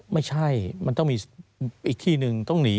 ไม่ใช่มันต้องมีอีกที่หนึ่งต้องหนี